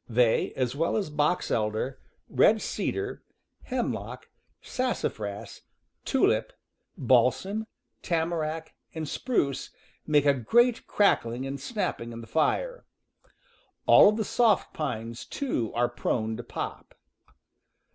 „. They, as well as box elder, red cedar, ^, hemlock, sassafras, tulip, balsam, tama rack, and spruce, make a great crackling and snapping in the fire. All of the soft pines, too, are prone to pop.